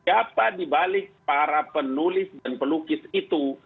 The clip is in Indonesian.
siapa dibalik para penulis dan pelukis itu